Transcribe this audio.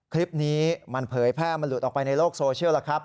คลิปนี้มันเผยแพร่มันหลุดออกไปในโลกโซเชียลแล้วครับ